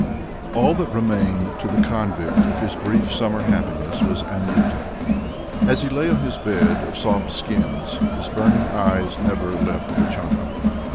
X All that remained to the convict of his brief summer happiness was Anjuta. As he lay on his bed of soft skins his burning eyes never left the child.